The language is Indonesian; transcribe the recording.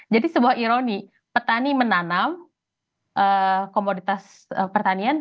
jadi sebuah ironi petani menanam komoditas pertanian